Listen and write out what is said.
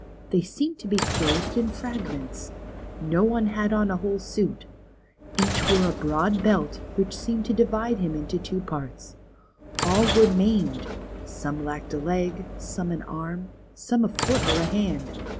They seemed to be clothed in fragments. No one had on a whole suit. Each wore a broad belt, which seemed to divide him into two parts. All were maimed : some lacked a leg, some an arm, some a foot or a hand.